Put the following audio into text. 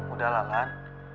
udah lah lan